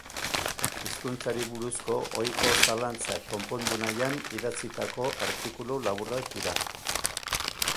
Hizkuntzari buruzko ohiko zalantzak konpondu nahian idatzitako artikulu laburrak dira.